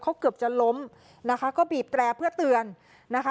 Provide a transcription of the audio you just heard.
เขาเกือบจะล้มนะคะก็บีบแตรเพื่อเตือนนะคะ